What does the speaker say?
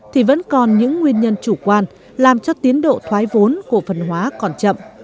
thì vẫn còn những nguyên nhân chủ quan làm cho tiến độ thoái vốn cổ phân hóa còn chậm